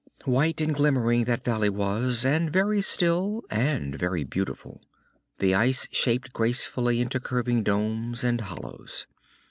White and glimmering that valley was, and very still, and very beautiful, the ice shaped gracefully into curving domes and hollows.